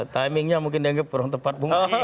timingnya mungkin dianggap kurang tepat bung